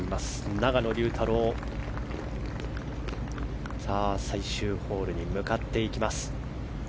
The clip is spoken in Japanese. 永野竜太郎最終ホールに向かっていきます。